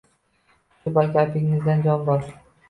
Shu gapingizda jon bor